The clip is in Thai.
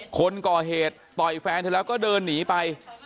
คนก่อเหตุต่อยแฟนเธอแล้วก็เดินหนีไป